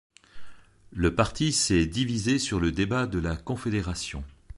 Le parti s'est divisé sur la débat de la confédération.